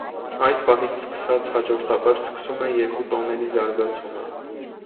Այդ պահից սկսած հաջորդաբար սկսվում է երկու տոների զարգացումը։